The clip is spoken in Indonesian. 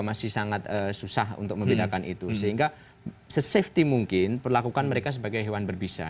masih sangat susah untuk membedakan itu sehingga sesafety mungkin perlu lakukan mereka sebagai hewan